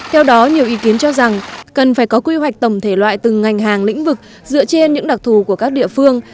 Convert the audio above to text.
theo đó nhiều ý kiến cho rằng cần phải có quy hoạch tổng thể loại từng ngành hàng lĩnh vực dựa trên những đặc thù của các địa phương